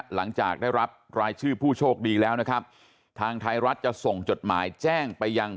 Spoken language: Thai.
หลังจากได้รับรายชื่อผู้โชคดีแล้วนะครับทางไทยรัฐจะส่งจดหมายแจ้งไปยัง